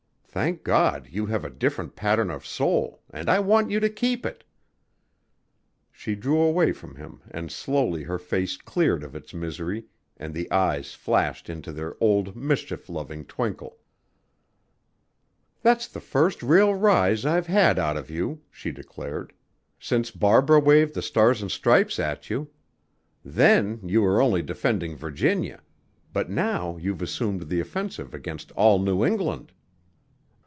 Thank God, you have a different pattern of soul and I want you to keep it." She drew away from him and slowly her face cleared of its misery and the eyes flashed into their old mischief loving twinkle. "That's the first real rise I've had out of you," she declared, "since Barbara waved the stars and stripes at you. Then you were only defending Virginia, but now you've assumed the offensive against all New England."